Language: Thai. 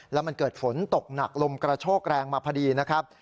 แล้วมันเกิดฝนตกหนักลมกระโชกแรงมาพอดีนะครับ